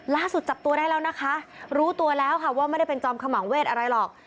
จับตัวได้แล้วนะคะรู้ตัวแล้วค่ะว่าไม่ได้เป็นจอมขมังเวทอะไรหรอก